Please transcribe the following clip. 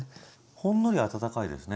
ほんのり温かいですね。